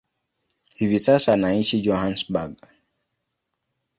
Hivi sasa anaishi Johannesburg.